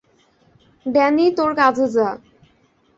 Danny তোর কাজে যা।